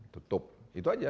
tutup itu saja